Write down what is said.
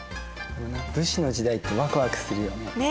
武士の時代ってわくわくするよね。ね！